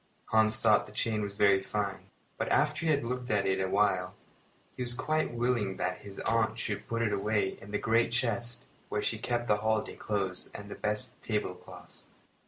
Hans thought the chain very fine; but after he had looked at it a while he was quite willing that his aunt should put it away in the great chest where she kept the holiday clothes and the best tablecloths.